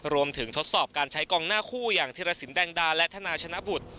ทดสอบการใช้กองหน้าคู่อย่างธิรสินแดงดาและธนาชนะบุตร